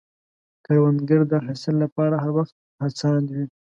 کروندګر د حاصل له پاره هر وخت هڅاند وي